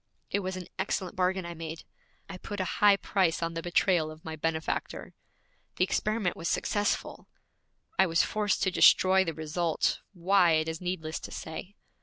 It was an excellent bargain I made I put a high price on the betrayal of my benefactor! The experiment was successful. I was forced to destroy the result, why it is needless to say.